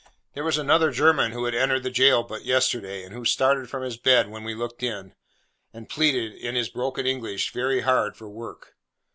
There was another German who had entered the jail but yesterday, and who started from his bed when we looked in, and pleaded, in his broken English, very hard for work.